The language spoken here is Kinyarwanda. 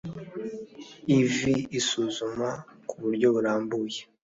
iv isuzuma ku buryo burambuye